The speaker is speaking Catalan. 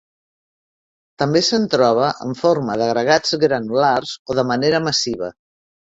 També se'n troba en forma d'agregats granulars o de manera massiva.